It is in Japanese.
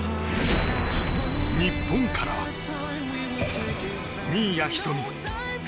日本からは新谷仁美